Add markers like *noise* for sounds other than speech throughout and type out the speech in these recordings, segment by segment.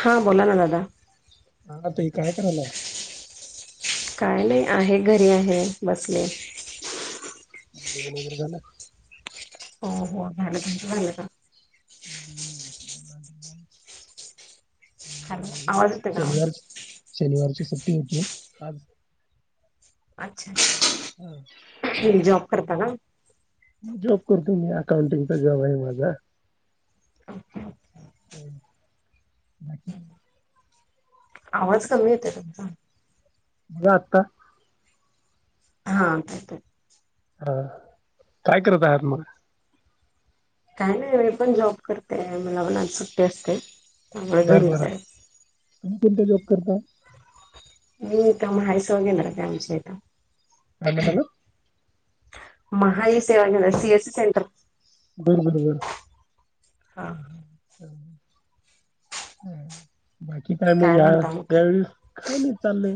हा बोला ना दादा! हा आता हे काय करायलाय काय नाही आहे. घरी आहे. बसले. जेवण वैगरे झालं? हो हो झालं झालं हा. रिकामा हॅलो ऑडिओ आवाज येतोय का आवाज शनिवारच? शनिवारच कां? ती येते. आज. अच्छा. हा. तुम्ही जॉब करता ना कुटुंबीय अकाउंटचा जॉब हाय माझा. रिकामा ऑडिओ हो. बाकी, आवाज कमी येते तुमचा. मा आत्ता? हा का का हा काय करत आहात मला काय नाही मी पण जॉब करते लवनात सुट्टी असते आ घरीच आहे कोणत जोक करता म कामयस वगेणार का आमच्या इथ ह म्ह मला महाई सेवा केंद्र सीएसस सेंटर बरं बरो बर हा हम् बाकी काय म्हग ह म्हणता मग त्यावेळीस काय नाही चाललंय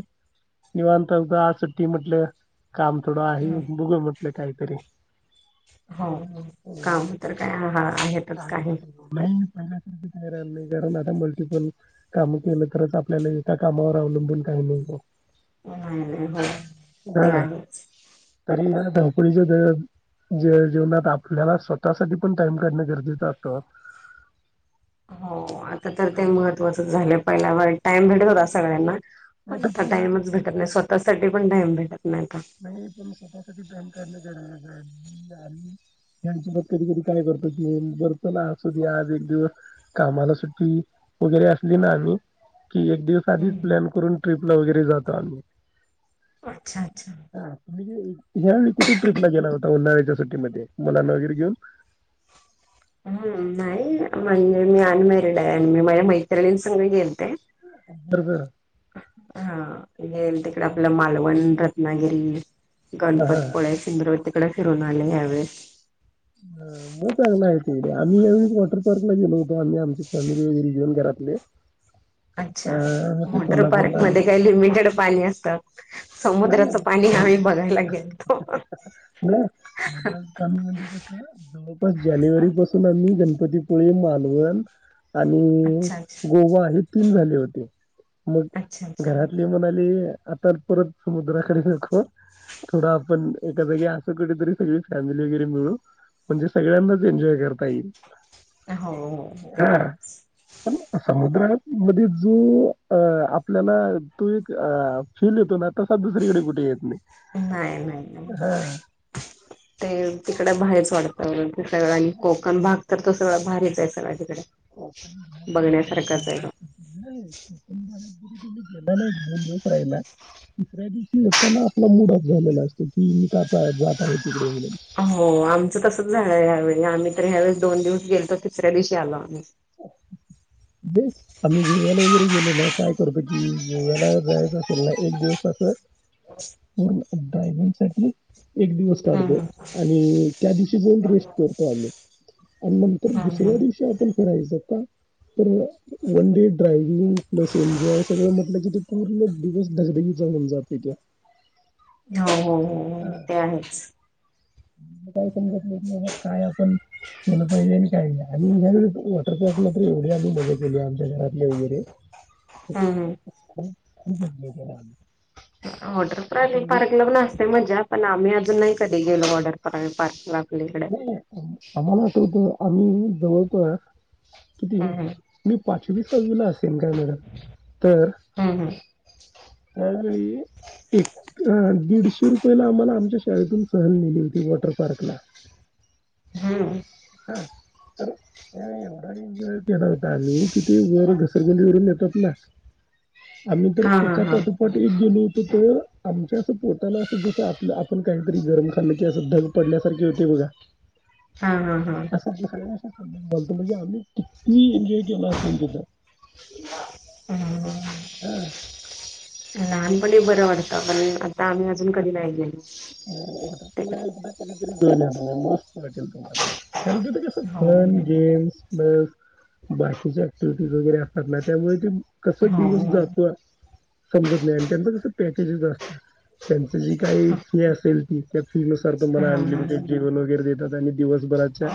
निवांताघ आ सुट्टी म्हटल काम थोडं आहे हम्म बघ बताय तरी हो काम तर काय आहेतच काही पहिल्याारख तर नाही कारण आता मल्टिपल काम केलं तरच आपल्याला एका कामावर अवलंबून काही नत नाही नाही ह ते आहेच कडीचे ते ज जेवना त आपल्याला स्वतःसाठीठी पण टाइम काढणं गरजेचं असतं हो तर तर ते महत्त्वाचंच झाले पहिल्या वाईट टाइम भेटत होता सगळ्यांना पण पहिला टाइमच कसं भेटत नाही स्वतःसाठी पण टाइम भेटत नाही आता नाही पण सफासाठीफम करण गरच आहे आ्ही यांसबत कधी कधी काय करतो की बतो ना अस आज एक दिवस कामाला सुट्टी वगैरे असली ना आम्ही की एक दिवस आधीच हम्म प्लॅन करून ट्र्रीप वगैरे जातो आ अच्छाच्छा हा तु ज यावेळी कुठे ट्रिपला गेला होता उन्हाळ्याच्या सुटीमध्ये मुलांना वगैरे घेऊन हम्म नाही म्हणजे मी अनमॅरिड आहे आणि मी माझ्या मैत्रिणीं सग गेेतते तर जर- हा हते इड आपलं मालवण रत्नागिरी हा हा गणपतपळे सुिंदरवती तकडे फिरून आले आहेवे हम मग चग आहे तडे आम्ही कर्ल ला गेलो होतो आम्ही आमची फॅमिली वगैरे घेऊन घरातले. अच्छा अं, ते वॉटर पार्क कोल्हापूरला आम्ही मध्ये काही लिमिटेड पाणी असतात. नाही समुद्राचं नाही पाणी आम्ही बघायला गेलतो नाय समुद्राच पाणी म्हणजे कसं जवळपास जानेवारी अच्छा पासून आम्ही गण गणपतीपुळे मालवण. आणि अच्छा गोवा हे तीन झाले होते मग अच्छा अच्छा घरातले म्हणाले. आता. परत समुद्राकडे नको थोडा आपण एका जागी असं कुठेतरी सगळी फॅमिली वगैरे मिळू म्हणजे सगळ्यांनाच एन्जॉय करता येईल. हो हो ते आहेच. मध्येे जो अ आपल्याला तो एक फिलिप उन्हात. नाही नाही हा ते तिकड बाहेरच वाढत. ह ते सगळ आणि कोकण भाग. तर तो सगळा भारीच आहे सगळा तिकडं कोकण भाग तर एवढा चांगला तो. असता *inaudible* कोकण भाग. दीदी तुम्ही गेला ना एक दोन दिवस राहिला तिसऱ्या दिवशी येताना आपला मूड ऑफ झालेला असतो की मी का जात आहे. तिकडे म्हणून हो आमचं तसच झालंय यावेळी आम्ही. तर या वेळेस दोन दिवस गेल्तो तिसऱ्या दिवशी आलो आम्ही. *unintelligible* दे आम्ही गोव्याला वगैरे गेलो ना काय करतो कि गोव्याला जायचं असेल ना एक दिवस असं पूर्ण ड्रायव्हिंगसाठी. एक दिवस काढतो हम्म आणि त्या दिवशी तिझोन रेस करतो आलो. आणि नंतर हम्म दुसऱ्या हम्म दिवशी आपण फिरायचं. हो. तर one day driving plus enjoy सगळं म्हटलं कि ते पूर्ण दिवस धगधगीचा होऊन जातोय तो. हो हो ते आहेच. काय समजत नाही नेमकं काय आपण केलं पाहिजे आणि काय आणि यावेळेस वॉटर पार्क ला तर एवढं. हे आम्ही मज्जा केली आमच्या घरातले वगैरे. हम हम. खूप खूप आहेत लोकं वॉटरपार्कला पण असते मजा पण आम्ही नाही कधी गेलो वॉटर पार्कला आपल्या इकडे. नाही नाही आम्हाला आठवतंय आम्ही पळतोय. किती हम्म मी पाचवी सहावी असेन काय बरं तर हम्म हम्म सगळी एक दिडशे रुपयेला आम्हाला आमच्या शाळे शाळेतून सहल नेली होती वॉटर पार्कला. हम्म हां, तर एवढा एन्जॉय केला होता आम्ही किती वर घसरगुंदवरून येतात ना आम्ही तर हा हा एका हा पाठोपाठ एक गेलो होतो तर आमच्या पोटाला अस जस आपलं आपण काहीतरी गरम खाल्ल कि अस धग पडल्यासारखे होते बघा. हा हां हां असं *unintelligible* म्हणत म्हणजे आम्ही किती एन्जॉय केला असेल त्याचां हम्म हा लहानपणी बरं वाटतं पण आता आम्ही अजून कधी नाही गेलो. *inaudible* *unintelligible* तिकडे ल तुमला कारण तीथ कस हो फन गेम्स बस बाकीच्याट फिटोग्राफ वगैरे असतात त्यामुळे ते कस हो दिवस हो जातो समजत नाही आणि त्यांचं कस पॅकेजेस असतात. त्यांच जी हा काही असेल त *unintelligible* फी नुसार तुम्हाला हा हा अनलिमिटेड जेवन वगैरे देतात आणि दिवसभराच्या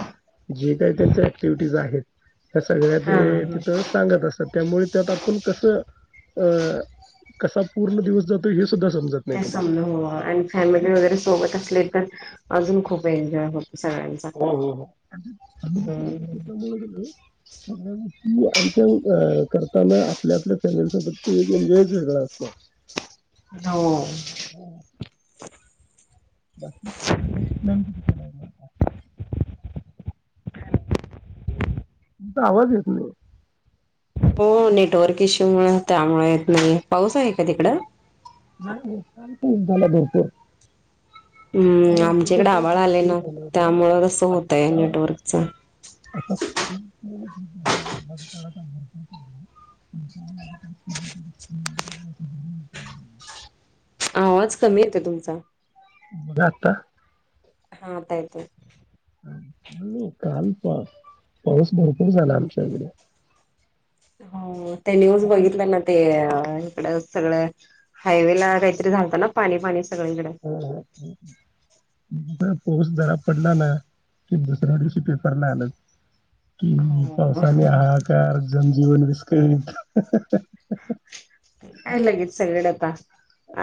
जे काही त्यांच्या ऍक्टिव्हिटीज आहेत सगळ्या हा ते हा तिथं सांगत असतात त्यामुळे त्यात आपण कसं अं कसा पूर्ण दिवस जातो हेच त्या समध होओ आणि फॅमिली वगैरे सोबत असले तर अजून खूप एन्जॉय होतो. सगळ्यांचा हो हो हो हम्म. मुळे सगळ्यां *unintelligible* आणि त्या करताना आपल्या आपल्या फॅमिलीसोबत तो एन्जॉय वेगळा असत हो बाकी *unintelligible* केला आहे त आवाज येत नाही. हो नेटवर्क इश्यूमुळे त्यामुळे येत नाही पाऊस आहे का तिकडं. नाही झालं भरपूर हम्म कारण त्याचा आमच्याकडे पाऊस आवाळ आले भरपूर ना झाला होता त्यामुळं आणि तसं होतय आत्ता आता नेटवर्कच खूप *inaudible* आवाज कमी येतो तुमचा मजा आता हा आतायतय काल पा पाऊस भरपूर झाला आमच्या इकडे हो त्या नूच बघितलं ना ते सगळ हायवे ला काहीतरी झालतं ना पाणी पाणी सगळीकडे हो हो पोर्स्ट जरा पडलाला की दुसऱ्या दिवशी पेपरला आलं कि हो पासानी हहाकार जमजीवन विस्क य का लगेच सगडे आता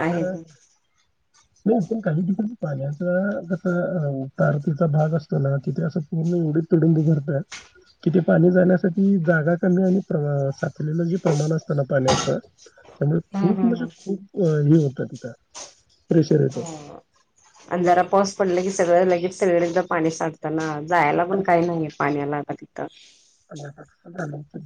आहे नाही पण काही तिथ पाण्याचा कस तारतीचा भाग असतो ना तिथे असं पूर्ण एवढीच तुडब भरतात तिथे पाणी जाण्यासाठी जागा आणि लं जे प्रमाण असतना पाण्याच त्यामुळे हम्म खूप म्हणजे हम्म खूप हे होत प्रधिक हो अजराा पाऊस पडला की सगळं लगेच सगळेदा पाणी साठतं ना जायला पण काही नाहीे पाण्याला अधिक रस्ते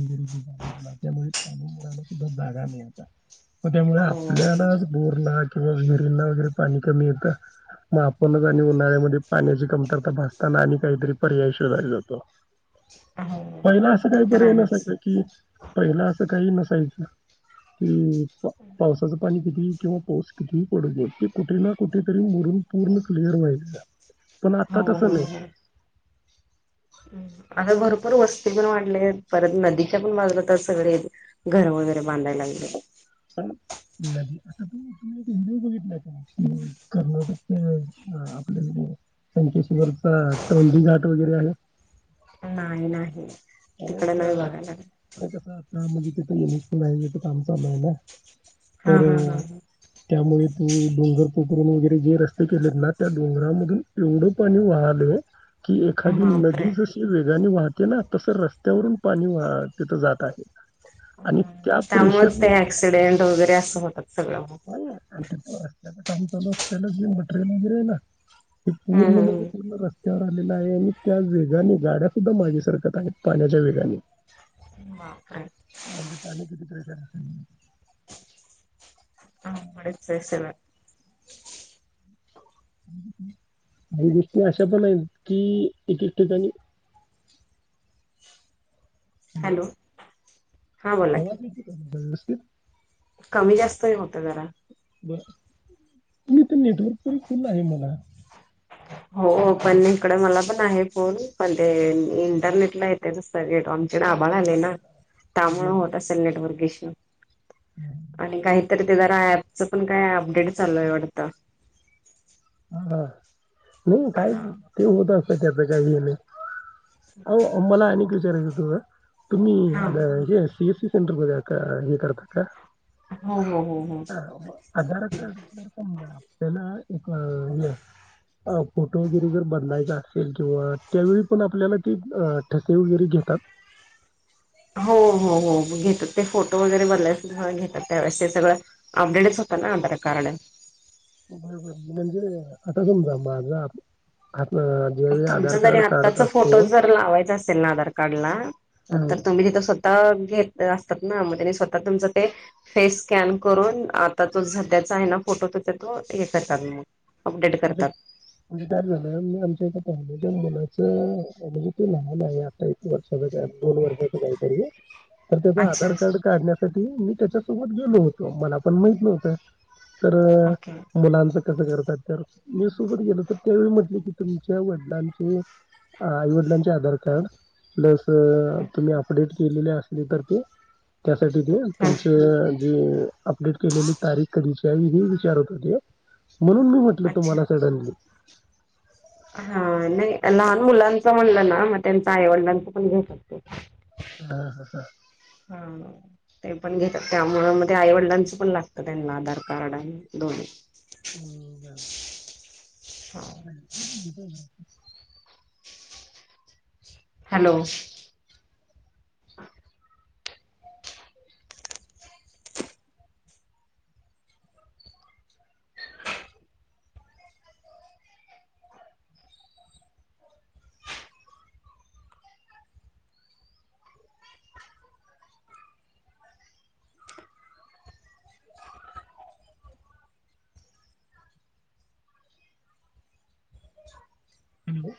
वगैरे ज झाले तु त्यामुळे तल मुला सुद्धा जागा नाही आता त्यामुळे हो आपल्यालाच बोलणार किंवा विहिरीना वगैरे पाणी कमी येतं मग आपणच आणि उन्हाळ्यामध्ये पाण्याची कमतरता भासताना आणि काहीतरी पर्याय शरधला जातो हो पहिला असं ते काही बर तर आहेच नसत की पहिला असं काही नस च क पावसाचं पाणी किंवा पाोस कितीही पडते ते कुठे ना कुठेतरी मोरून पूर्ण क्लिअर व्हाय पण आता हो तसं हो नाही हो आता भरोपर वस्ती पण वाढल्या आहेत परत नदीच्या पण बाजला तर सगळे घर वगैरे बांधायला लागले प नाही. आता तुम् एक इडि *unintelligible* बघितलाय का कर्नाटकचे आपल्या त्यांचेशवरचा टोजी घाट वगैरे आहे. नाही नाही. हो तिकडे नाही का बघायला लागले. ते कस आता म्हणजे ते नस प *unintelligible* तर कामचाल आहे ना, हा तर हा हा त्यामुळे तू डोंगर पपण *unintelligible* वगैरे जे रस्ते केलेत ना त्या डोंगरामधून एवढं पाणी वाहलं. की हा एखादी बापरे नदी जशी वे *unintelligible* णी वाहतो ना, तस रस्त्यावरून पाणी वा तथं जात आहे. आणि त्या त्यामुळे प्रेशरने ते अऍक्सिडेंट वगैरे असं होतात सगळं. अ आता काय रत्याच काम चाल असतांना जे मटरेल वगैरे हे ना, हे हम्म पूर्ण म्हणजे हम्म पूर्ण रस्ते *unintelligible* वर आलेला आहे आणि त्या वेगाने गाड्या सुद्धा माझे सारकत आहेत पाण्याच्या वेगाने बापरे अजे चाले किती प्रेशर हे. हच ना *unintelligible* काही *unintelligible* गोष्टी अशा पण आहेत कि एकच ठिकाणी. हॅलो हा बोला की आवाज कती *unintelligible* करणारस ते कमी जास्तही होत जरा ह *unintelligible* ते नेटवर्क पण फुल आहे मला हो पण इकड मला पण आहे फोन पण ते इंटरनेटला येते *unintelligible* सन तरआभाळ आले ना त्यामुळे बरं होत असेल नेटर्वक इशू? आणि काहीतरी ते जरा ऍपच पण काय अपडेट चालू आहे वाडत हा. हो काई नई ते होत असत त्यापे जाई *unintelligible* आओ अंमला आणीक विचारायच हो. तुम्ही हा आण हे सोयी सीस चन गोद्या अ *unintelligible* का ह करताका? हो हो हो हो ह आधार कार्ड समजा आपला. अ फोटो वगैरे जर बनलायचा असेल किंवा त्यावेळी पण आपल्याला ते ठसे वगैरे घेतात. हो हो हो घेत ते फोटो वगैरे बनय घेतात त्यावेळेस ते सगळं अपडेटच होतं ना आधार कार्ड. बरोबर, म्हणजे आता तुमचा माझा. ज्यावेळी तुमच आधार जरी कार्ड काढत आताचा फोटो असतो जर लावायचा असेल ना आधार कार्डला तर तुम्ही तिथं स्वतः घेत. असतात ना मग स्वतः तुमच ते फेस स्कॅन करून आता तो सध्याचा आहे ना फोटो तचा तो हे करतचा मग. अपडेट म्हणजे करतात म्हणजे तार झालं आमच्या इथ. मनाचं म्हज त लहान आहे. आता एक वर्षा दोन वर्षाच काहीतरी. तर त्याच अच्छा आधार अच्छा कार्ड काढण्यासाठी मी. त्याच्यासोबत गेलो होतो. मला पण माहित नव्हतं. तर ओके मुलांच. कस करतात तर. मी सोबत गेलो तर त्यावेळी म्हटले की तुमच्या वडिलांचे आई वडिलांचे आधार कार्ड प्लस. तर तुम्ही अपडेट. केले ले असली तर ते कर. तुमचे. हम अपडेट केलेली तारीख कधी विचारत होते म्हणून मी. अच्छा तुम्हाला सडनली. हा नाही लहान मुलांच म्हणलं ना मग त्यांच आईवडिलांच पण घेऊ शकत. हा हा हा. हा ते पण घेतात त्यामूळ मग ते आईवडिलांचं पण लागतं त्यांना आधार कार्ड आणि दोन्ही. हो का ह. हॅलो. ह हॅलो.